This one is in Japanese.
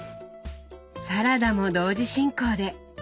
サラダも同時進行で！